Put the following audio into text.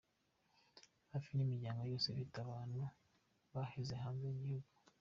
Hafi imiryango yose ifite abantu baheze hanze y’igihugu.